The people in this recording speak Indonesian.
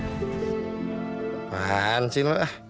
kapan sih lu ah